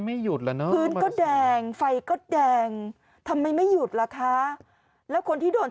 หยุดแล้วเนอะพื้นก็แดงไฟก็แดงทำไมไม่หยุดล่ะคะแล้วคนที่โดน